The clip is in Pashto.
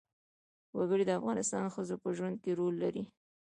وګړي د افغان ښځو په ژوند کې رول لري.